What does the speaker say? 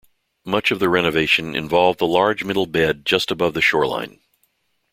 Much of the renovation involved the large middle bed just above the shoreline.